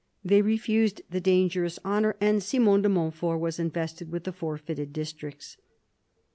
They refused the dangerous honour, and Simon de Montfort was invested with the forfeited districts.